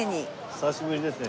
久しぶりですね